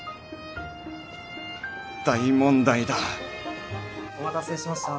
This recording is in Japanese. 大問題だお待たせしました。